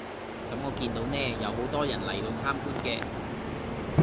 咁我見到呢有好多人嚟到參觀嘅